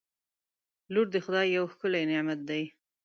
• لور د خدای یو ښکلی نعمت دی.